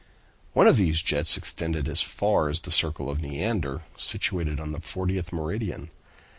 One of these jets extended as far as the circle of Neander, situated on the 40th meridian.